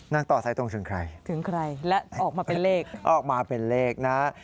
ต่อสายตรงถึงใครถึงใครและออกมาเป็นเลขออกมาเป็นเลขนะฮะ